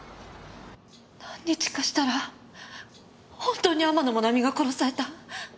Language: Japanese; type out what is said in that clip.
何日かしたらほんとに天野もなみが殺された。